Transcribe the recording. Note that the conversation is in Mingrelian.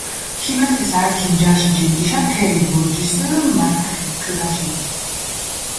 ქიმერთეს ართი ნჯაში ჯინჯიშა, ფერი ბორჯისჷ მართახიქჷ ქჷგაშინჷ.